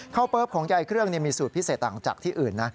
เปิ๊บของยายเครื่องมีสูตรพิเศษต่างจากที่อื่นนะ